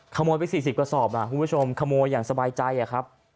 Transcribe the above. ขโมยไป๔๐กระสอบคุณผู้ชมขโมยอย่างสบายใจอะครับ